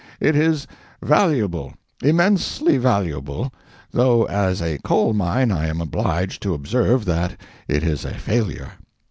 It is valuable—immensely valuable—though as a coal mine I am obliged to observe that it is a failure.